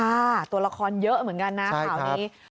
ตัวละครเยอะเหมือนกันนะข่าวนี้